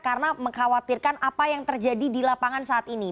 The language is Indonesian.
karena mengkhawatirkan apa yang terjadi di lapangan saat ini